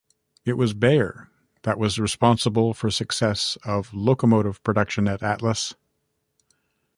It was Beyer that was responsible for success of locomotive production at Atlas.